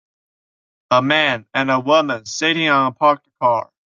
A man and woman sitting on a parked car.